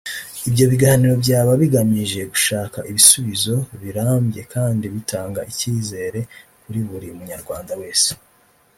Ibyo biganiro byaba bigamije gushaka ibisubizo birambye kandi bitanga ikizere kuri buri munyarwanda wese